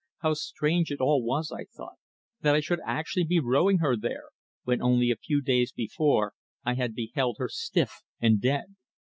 How strange it all was, I thought, that I should actually be rowing her there, when only a few days before I had beheld her stiff and dead.